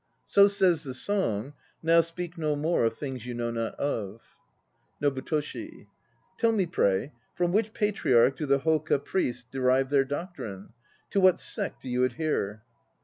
So says the song. Now speak no more Of things you know not of. NOBUTOSHI. Tell me, pray, from which patriarch do the hoka priests derive their doctrine? To what sect do you adhere?